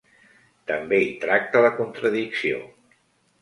També hi tracta la contradicció.